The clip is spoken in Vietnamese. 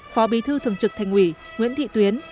phó bí thư thường trực thành ủy nguyễn thị tuyến